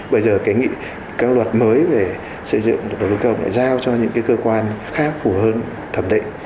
bây giờ cái luật mới về xây dựng đồ tư công lại giao cho những cái cơ quan khác phủ hơn thẩm định